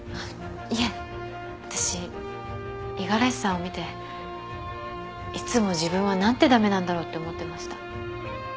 いえ私五十嵐さんを見ていつも自分は何て駄目なんだろうって思ってました。